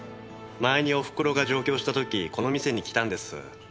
前におふくろが上京した時この店に来たんです。